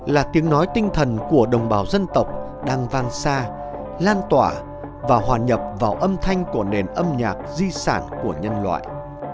là tiếng nói tinh thần của đồng bào dân tộc đang vang xa lan tỏa và hòa nhập vào âm thanh của nền âm nhạc di sản của nhân loại